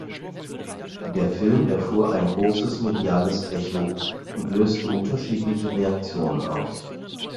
Der Film erfuhr ein grosses mediales Echo und löste unterschiedliche Reaktionen aus.